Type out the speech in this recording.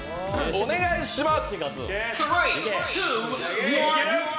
お願いします。